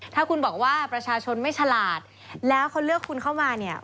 ถ้าคุณบอกว่าประชาชนไม่ฉลาดแล้วเขาเลือกคุณเข้ามาเนี่ย